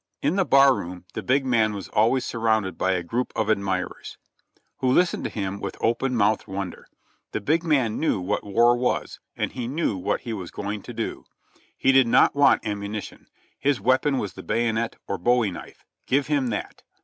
In the bar room the big man was always surrounded by a group of admirers, who listened to him with open mouthed wonder; the big man knew what war was and he knew what he was going to do ; he did not want ammunition, his weapon was the bayonet or bowie knife — give him that!